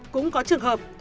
cũng có trường hợp